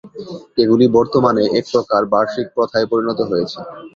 এগুলি বর্তমানে এক প্রকার বার্ষিক প্রথায় পরিণত হয়েছে।